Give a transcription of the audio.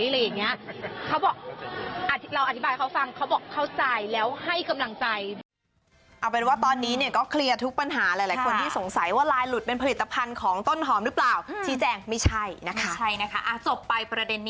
เราอธิบายเขาฟังเขาบอกเขาจ่ายแล้วให้กำลังจ่าย